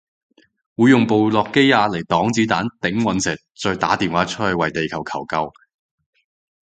會用部諾基亞嚟擋子彈頂隕石再打電話出去為地球求救